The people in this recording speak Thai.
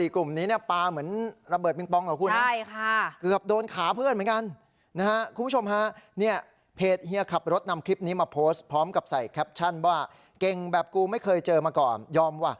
เกือบโดนขาเพื่อนเหมือนกันนะฮะคุณผู้ชมฮะเนี่ยเพจเฮียร์ขับรถนำคลิปนี้มาโพสต์พร้อมกับใส่แคปชั่นว่าเก่งแบบกูไม่เคยเจอมาก่อนยอมว่ะ